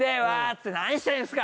て何してるんすか！